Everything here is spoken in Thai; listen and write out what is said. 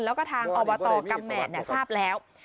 แล้วก็ทางอวตกรรมแมนท์ทราบแล้ว